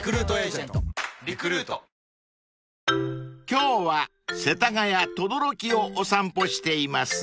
［今日は世田谷等々力をお散歩しています］